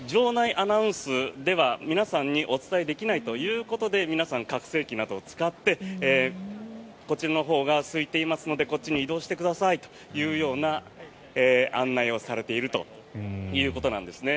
アナウンスでは皆さんにお伝えできないということで皆さん拡声器などを使ってこちらのほうがすいていますのでこっちに移動してくださいというような案内をしているということなんですね。